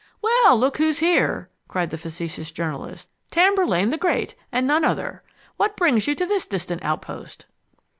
"Well, look who's here!" cried the facetious journalist. "Tamburlaine the Great, and none other! What brings you to this distant outpost?"